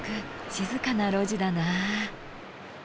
静かな路地だなぁ！